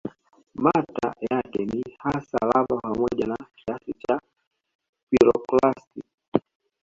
Mata yake ni hasa lava pamoja na kiasi cha piroklasti